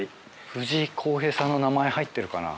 藤井康平さんの名前入ってるかな。